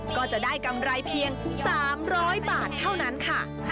ก็จะได้กำไรเพียง๓๐๐บาทเท่านั้นค่ะ